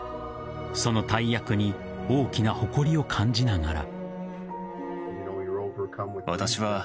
その大役に大きな誇りを感じながら。